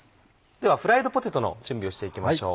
ではフライドポテトの準備をしていきましょう。